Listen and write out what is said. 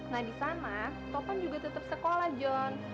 nah di sana topan juga tetep sekolah jon